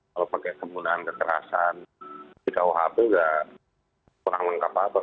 kalau pakai kegunaan kekerasan di kuhp tidak kurang lengkap apa apa